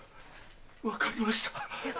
分かりました。